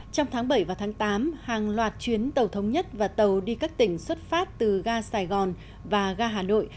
trong tháng bảy và tháng tám hàng loạt chuyến tàu thống nhất và tàu đi các tỉnh xuất phát từ ga sài gòn và ga hà nội